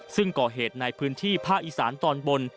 ซึ่งก่อเหตุในพื้นที่ภาคอีสานตอนบน